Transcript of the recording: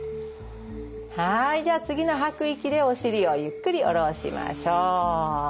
はいじゃあ次の吐く息でお尻をゆっくり下ろしましょう。